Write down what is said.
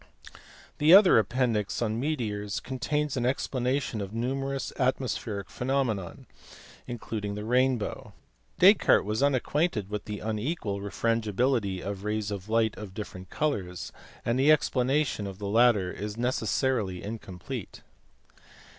The other appendix, on meteors, contains an explanation of numerous atmospheric phenomena, including the rainbow ; Descartes was unacquainted with the unequal refrangibility of rays of light of different colours, and the explanation of the latter is necessarily incomplete.